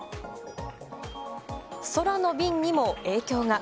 空の便にも影響が。